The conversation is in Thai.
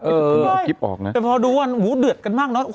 เออแต่พอดูวันโหวเดือดกันมากเนอะ